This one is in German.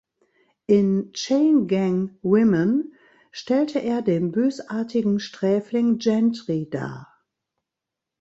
In "Chain Gang Women" stellte er den bösartigen Sträfling "Gentry" dar.